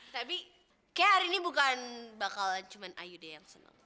tapi kayaknya hari ini bukan bakalan cuman ayudaya yang seneng